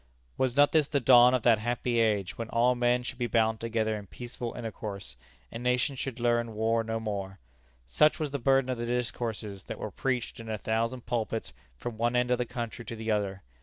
Was not this the dawn of that happy age, when all men should be bound together in peaceful intercourse, and nations should learn war no more? Such was the burden of the discourses that were preached in a thousand pulpits from one end of the country to the other.